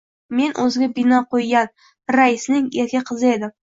Men o`ziga bino qo`ygan, raisning erka qizi edim